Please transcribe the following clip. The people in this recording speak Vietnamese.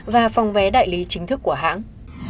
và phòng vé đại lý chính thức của hãng